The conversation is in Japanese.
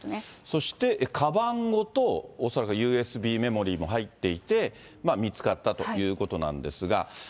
そして、かばんごと、恐らくＵＳＢメモリも入っていて、見つかったということなんですが。